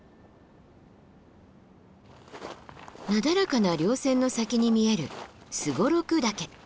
なだらかな稜線の先に見える双六岳。